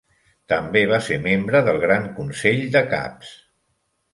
També va ser membre del Gran Consell de Caps.